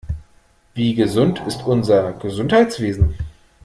Wie gesund ist unser Gesundheitswesen?